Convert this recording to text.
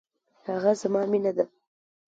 هغه زما مينه ده.